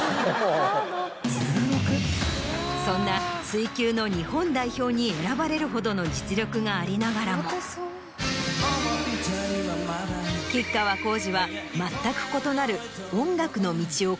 そんな水球の日本代表に選ばれるほどの実力がありながらも吉川晃司は全く異なる。